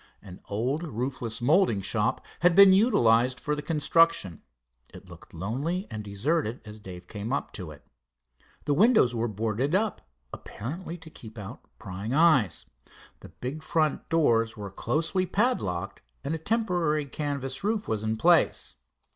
An old roofless molding shop had been utilized for the construction. It looked lonely and deserted as Dave came up to it. The windows were boarded up, apparently to keep out prying eyes. The big front doors were closely padlocked, and a temporary canvas roof was in place.